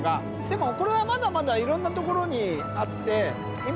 でもこれはまだまだいろんなところにあって。